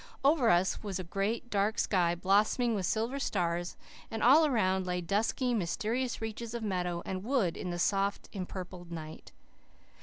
Over us was a great, dark sky, blossoming with silver stars, and all around lay dusky, mysterious reaches of meadow and wood in the soft, empurpled night.